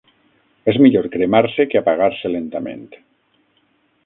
És millor cremar-se que apagar-se lentament.